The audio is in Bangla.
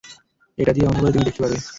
এটা দিয়ে অন্ধকারে তুমি দেখতে পারবে।